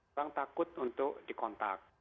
orang takut untuk dikontak